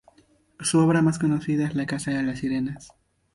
Su obra más conocida es la casa de las Sirenas.